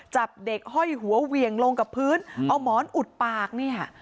จับเด็กห้อยหัวเหวี่ยงลงกับพื้นเอาหมอนอุดปากเนี่ย